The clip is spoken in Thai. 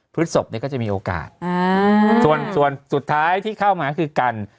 พฤศพเนี่ยก็จะมีโอกาสส่วนสุดท้ายที่เข้ามาคือกัน